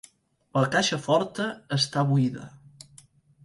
La caixa forta està buida.